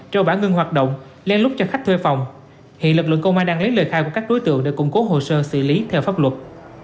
rồi bản ngưng hoạt động len lút cho khách thuê phòng hiện lực lượng công an đang lấy lời khai của các đối tượng để củng cố hồ sơ xử lý theo pháp luật